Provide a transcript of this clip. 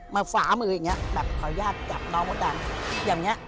มาฝามืออย่างเงี้ยแบบเผาญาติจับน้องมุดดังอย่างเงี้ย